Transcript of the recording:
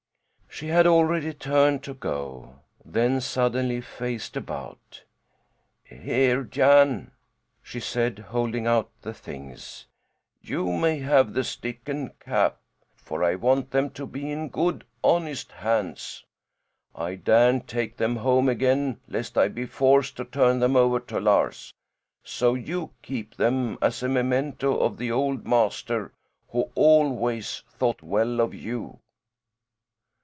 She had already turned to go, then suddenly faced about. "Here, Jan," she said, holding out the things. "You may have the stick and cap, for I want them to be in good, honest hands. I daren't take them home again lest I be forced to turn them over to Lars; so you keep them as a memento of the old master, who always thought well of you."